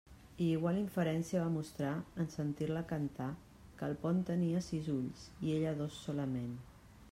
I igual indiferència va mostrar en sentir-la cantar que el pont tenia sis ulls, i ella dos «solament».